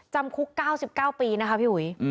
จำคุก๙๙ปีนะคะพี่อุ๋ย